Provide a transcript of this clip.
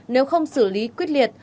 nếu không xử lý quyết liệt